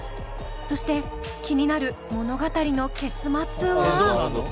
そして気になる物語の結末は？